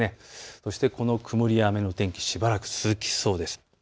そしてこの曇りや雨の天気、しばらく続きそうです。